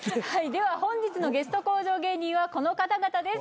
では本日のゲスト向上芸人はこの方々です